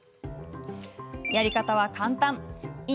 やり方は簡単。